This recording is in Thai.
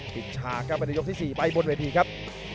ปิดฉากครับมาในยกที่๔ไปบนเวทีครับ